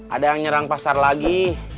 ada yang nyerang pasar lagi